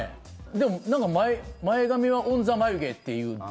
で、前髪はオン・ザ・眉毛っていう。